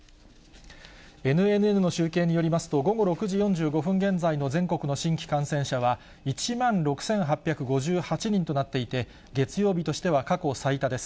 ＮＮＮの集計によりますと、午後６時４５分現在の全国の新規感染者は、１万６８５８人となっていて、月曜日としては過去最多です。